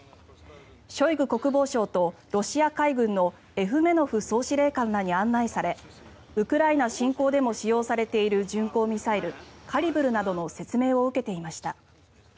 ショイグ国防相とロシア海軍のエフメノフ総司令官らに案内されウクライナ侵攻でも使用されている巡航ミサイル、カリブルなどの説明を受けていました。